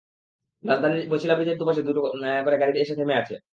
রাজধানীর বছিলা ব্রিজের দুপাশে একটা দুটো করে গাড়ি এসে থেমে আছে।